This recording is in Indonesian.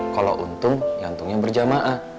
kalau untung ya untungnya berjamaah